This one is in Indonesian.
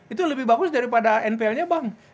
itu lebih bagus daripada npl nya bang